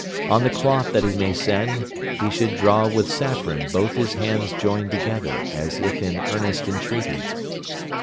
On the cloth that he may send he should draw with saffron both his hands joined together as if in earnest entreaty.